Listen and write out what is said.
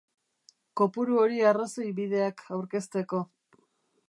Kopuru hori arrazoibideak aurkezteko.